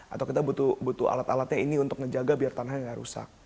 atau kita butuh alat alatnya ini untuk ngejaga biar tanahnya nggak rusak